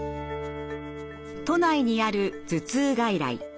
都内にある頭痛外来。